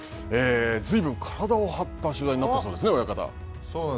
ずいぶん体を張った取材になったそうなんです。